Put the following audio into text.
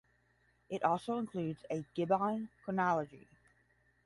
It also includes "a Gibbon chronology".